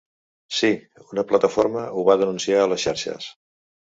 Sí, una plataforma ho va denunciar a les xarxes.